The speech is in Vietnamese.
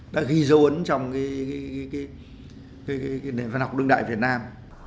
đã ghi dấu ấn trong nền văn học đương đại việt nam